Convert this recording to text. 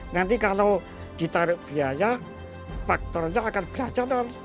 nanti kalau ditaruh biaya faktornya akan belajar